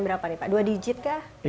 berapa nih pak dua digit kah